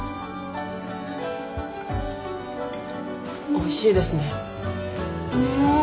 おいしいですね。ね。